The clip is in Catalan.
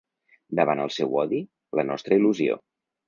Davant el seu odi, la nostra il·lusió.